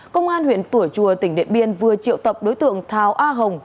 công an huyện tủa chùa tỉnh điện biên vừa triệu tập đối tượng tháo a hồng